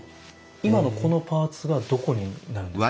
今のこのパーツはどこになるんですか？